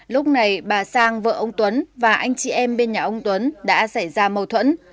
lúc này bà sang vợ ông tuấn và anh chị em bên nhà ông tuấn đã xảy ra mâu thuẫn